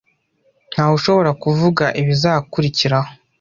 Ntawushobora kuvuga ibizakurikiraho